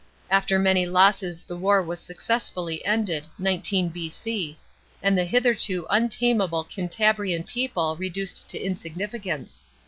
After many losses the war was successfully ended (19 B.C.), and the hitherto "untameable" Can tabrian people * reduced to insignificance.